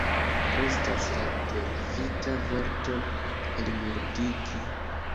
Restas la derivita vorto elmuldigi.